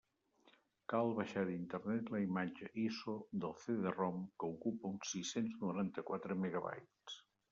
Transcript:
Cal baixar d'Internet la imatge ISO del CD-ROM, que ocupa uns sis-cents noranta-quatre megabytes.